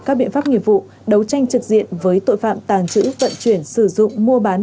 các biện pháp nghiệp vụ đấu tranh trực diện với tội phạm tàng trữ vận chuyển sử dụng mua bán